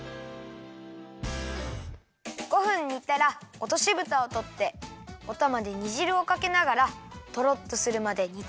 ５分煮たらおとしぶたをとっておたまで煮じるをかけながらとろっとするまで煮つめるよ。